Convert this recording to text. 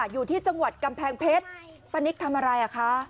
อยู่ที่จังหวัดกำแพงเพชรป้านิกทำอะไรอ่ะคะ